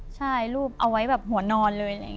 ใช่รูปเอาไว้แบบหัวนอนเลย